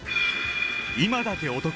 今だけお得！